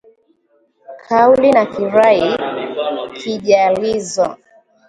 kauli na kirai kijalizo